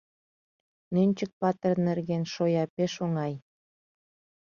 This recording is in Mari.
Нӧнчык-патыр нерген шоя пеш оҥай: